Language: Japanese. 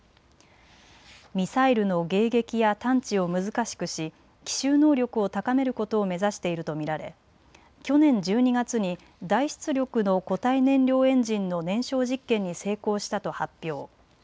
ミサイルの迎撃や探知を難しくし奇襲能力を高めることを目指していると見られ去年１２月に大出力の固体燃料エンジンの燃焼実験に成功したと発表。